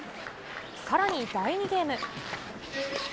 さらに第２ゲーム。